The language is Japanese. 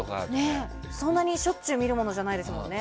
そんなにしょっちゅう見るものじゃないですからね。